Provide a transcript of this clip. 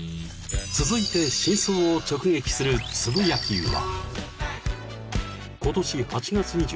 ［続いて真相を直撃するつぶやきは］